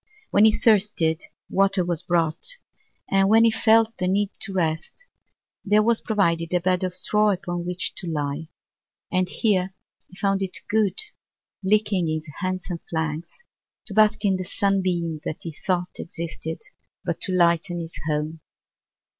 When he thirsted water was brought, and when he felt the need to rest, there was provided a bed of straw upon which to lie; and here he found it good, licking his handsome flanks, to bask in the sun beam that he thought existed but to lighten his home.